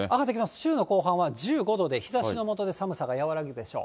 週の後半は１５度で日ざしの下では寒さが和らぐでしょう。